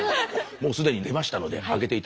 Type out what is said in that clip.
もう既に出ましたので開けて頂きましょう。